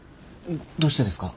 どうしてですか？